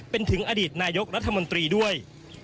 เป็นถึงอดีตนายกรัฐมนตรีด้วย